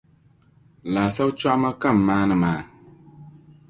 Laasabu chɔɣima ka a maani maa